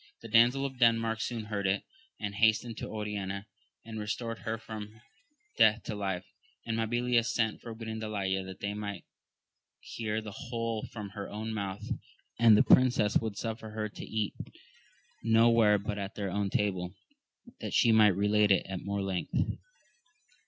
The damsel of Denmark soon heard it, and hastened to Oriana, and restored her from death to life ; and Mabilia sent for Grindalaya that they might hear the whole from her own mouth, and the princesses would suffer her to eat no where but at their own table, that she might relate it more at length.